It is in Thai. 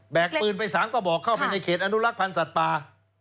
ปืนไป๓กระบอกเข้าไปในเขตอนุรักษ์พันธ์สัตว์ป่า